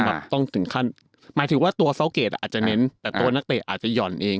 ต้องถึงขั้นหมายถึงว่าตัวซาวเกดอาจจะเน้นแต่ตัวนักเตะอาจจะหย่อนเอง